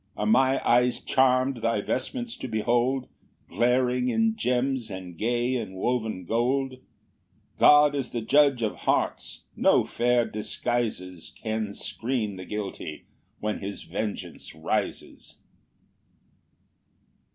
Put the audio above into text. "Are my eyes charm'd thy vestments to behold, "Glaring in gems, and gay in woven gold?" God is the judge of hearts; no fair disguises Can screen the guilty when his vengeance rises.